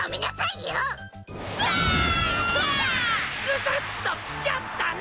グサッときちゃったな。